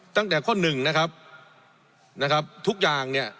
ตั้งแต่ข้อหนึ่งนะครับนะครับทุกอย่างเนี่ย